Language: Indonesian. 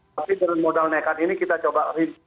tapi dengan modal nekat ini kita coba